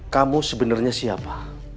kamu sebenarnya siapa